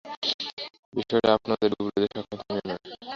বিষয়টা আপনাদের ডুবুরিদের সক্ষমতা নিয়ে নয়।